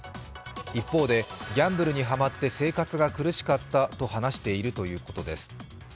一方でギャンブルにはまって生活が苦しかったと話しているということです。